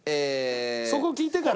そこ聞いてから。